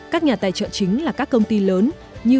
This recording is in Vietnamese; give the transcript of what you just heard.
các nhà tài trợ chính là các công ty lớn như